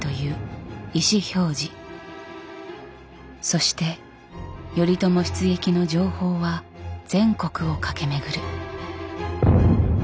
そして頼朝出撃の情報は全国を駆け巡る。